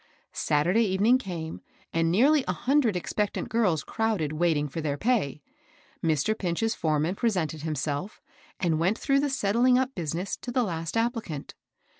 Saturday evening came, and nearly a hundred expectant girls crowded waiting for their pay. Mr. Pinch's foreman presented himself, and went through the settling up business to the last appli cant.